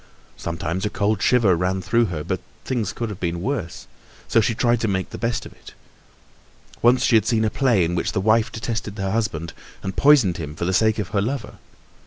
Sometimes a cold shiver ran through her, but things could have been worse, so she tried to make the best of it. Once she had seen a play in which the wife detested her husband and poisoned him for the sake of her lover.